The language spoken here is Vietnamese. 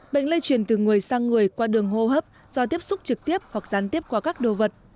bệnh lây chuyển từ người sang người qua đường hô hấp do tiếp xúc trực tiếp hoặc gián tiếp qua các đồ vật